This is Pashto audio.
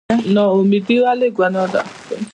نااميدي ولې ګناه ده؟